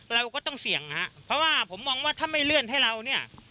เราก็ต้องเสี่ยงนะครับเพราะว่าผมมองว่าถ้าไม่เลื่อนให้เราเนี่ย